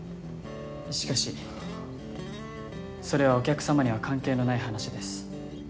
しかしそれはお客様には関係のない話です。